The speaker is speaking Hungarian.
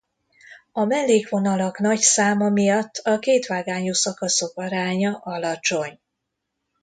A mellékvonalak nagy száma miatt a kétvágányú szakaszok aránya alacsony.